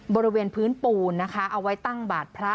บริเวณพื้นปูนนะคะเอาไว้ตั้งบาดพระ